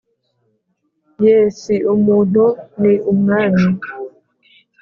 yee si umuntu ni umwami!